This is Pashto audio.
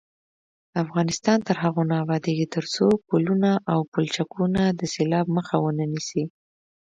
افغانستان تر هغو نه ابادیږي، ترڅو پلونه او پلچکونه د سیلاب مخه ونه نیسي.